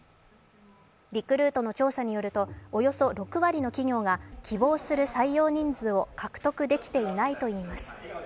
リクルートの調査によるとおよそ６割の企業が希望する採用人数を獲得できていないといいます。